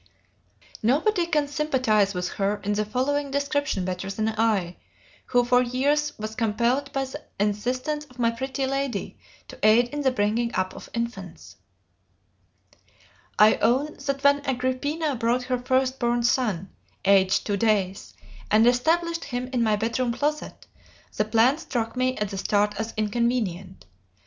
Nobody can sympathize with her in the following description better than I, who for years was compelled by the insistence of my Pretty Lady to aid in the bringing up of infants: "I own that when Agrippina brought her first born son aged two days and established him in my bedroom closet, the plan struck me at the start as inconvenient.